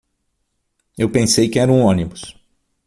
Eu pensei que era um ônibus.